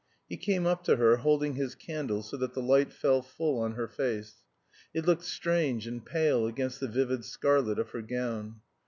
He came up to her, holding his candle so that the light fell full on her face; it looked strange and pale against the vivid scarlet of her gown.